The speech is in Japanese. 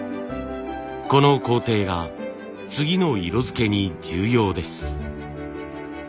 この工程が次の色づけに重要です。